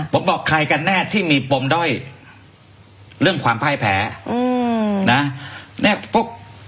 ผมบอกใครกันแน่ที่มีปมด้อยเรื่องความไพ้แผลอืมน่ะเนี้ยพวก